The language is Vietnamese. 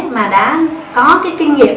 mà đã có cái kinh nghiệm